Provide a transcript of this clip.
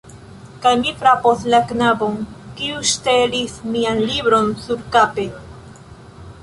Kaj mi frapos la knabon kiu ŝtelis mian libron surkape